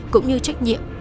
cũng như trách nhiệm